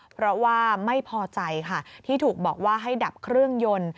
เพราะว่าไม่พอใจค่ะที่ถูกบอกว่าให้ดับเครื่องยนต์